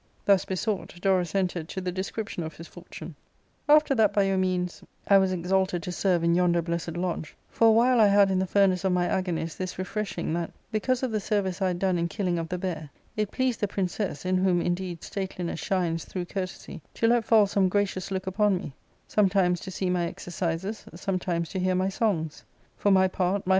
Thus besought, Dorus entered to the description of his fortune: —" After that by your means I was exalted to serve in yonder blessed lodge, for a while I had in the furnace of my agonies this refreshing, that, because of the service I had done in killing of the bear, it pleased the princess — in whom, indeed, stateliness shines through courtesy — ^to let fall some gracious look upon me ; sometimes to see my exercises, sometimes to hear my songs. For my part, my